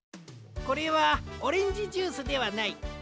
これはオレンジジュースではない。